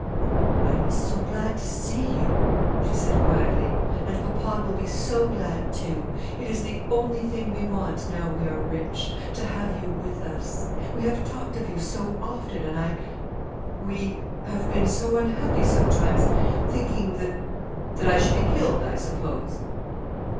"I am so glad to see you," she said quietly; "and papa will be so glad too! It is the only thing we want, now we are rich; to have you with us. We have talked of you so often; and I we have been so unhappy sometimes, thinking that " "That I should be killed, I suppose?"